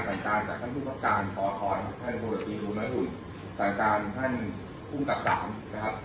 สั่งการท่านคุมกับสาธารณ์นะครับ